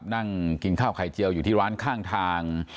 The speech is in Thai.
นั่งกินข้าวไข่เจียวอยู่ที่ร้านข้างทาง